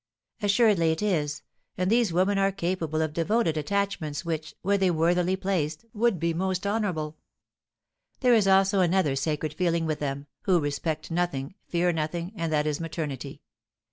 "Assuredly it is; and these women are capable of devoted attachments which, were they worthily placed, would be most honourable. There is also another sacred feeling with them, who respect nothing, fear nothing, and that is maternity.